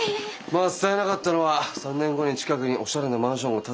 まあ伝えなかったのは３年後に近くにおしゃれなマンションが建つってことぐらいかな。